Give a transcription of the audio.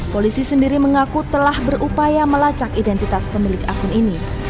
polisi sendiri mengaku telah berupaya melacak identitas pemilik akun ini